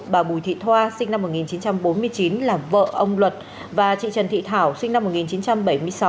bà bùi thị thoa sinh năm một nghìn chín trăm bốn mươi chín là vợ ông luật và chị trần thị thảo sinh năm một nghìn chín trăm bảy mươi sáu